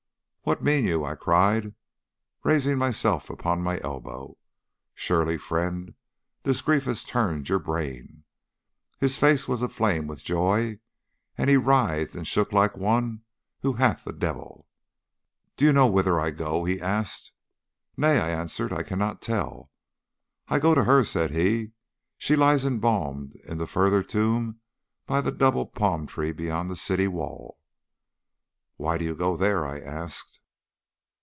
"'What mean you?' I cried, raising myself upon my elbow. 'Surely, friend, this grief has turned your brain.' His face was aflame with joy, and he writhed and shook like one who hath a devil. "'Do you know whither I go?' he asked. "'Nay,' I answered, 'I cannot tell.' "'I go to her,' said he. 'She lies embalmed in the further tomb by the double palm tree beyond the city wall.' "'Why do you go there?' I asked.